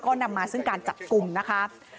ก็นำมาซึ่งการจับกลุ่มนะคะ